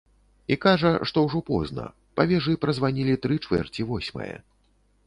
І кажа, што ўжо позна, па вежы празванілі тры чвэрці восьмае.